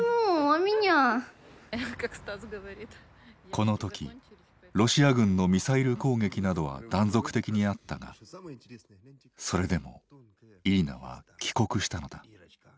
このときロシア軍のミサイル攻撃などは断続的にあったがそれでもイリナは帰国したのだ。